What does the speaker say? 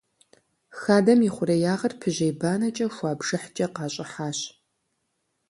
Хадэм и хъуреягъыр пыжьей банэкӏэ хуа бжыхькӏэ къащӏыхьащ.